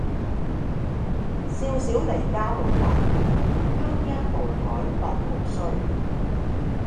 少小離家老大回，鄉音無改鬢毛衰。